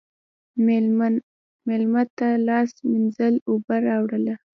مېلمه ته لاس مینځلو ته اوبه راوله.